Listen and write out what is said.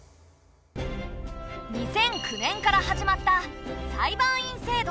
２００９年から始まった裁判員制度。